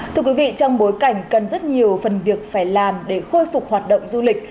thưa quý vị trong bối cảnh cần rất nhiều phần việc phải làm để khôi phục hoạt động du lịch